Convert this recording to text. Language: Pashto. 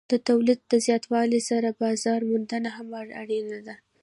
د تولید له زیاتوالي سره بازار موندنه هم اړینه ده.